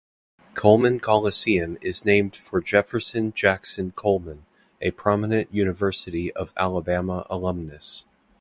Coleman Coliseum is named for Jefferson Jackson Coleman, a prominent University of Alabama alumnus.